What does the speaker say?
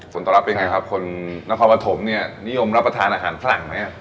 สนตรับเป็นยังไงครับคนนครปฐมนิยมรับประทานอาหารฝรั่งไหมครับ